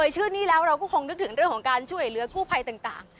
ชื่อนี้แล้วเราก็คงนึกถึงเรื่องของการช่วยเหลือกู้ภัยต่าง